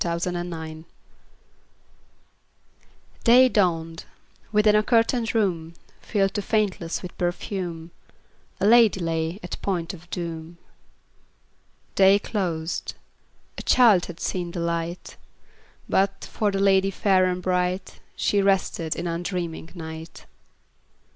Y Z History of a Life DAY dawned: within a curtained room, Filled to faintness with perfume, A lady lay at point of doom. Day closed; a child had seen the light; But, for the lady fair and bright, She rested in undreaming night.